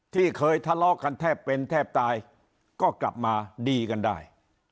ที่เคยทะเลาะกันแทบเป็นแทบตายก็กลับมาดีกันได้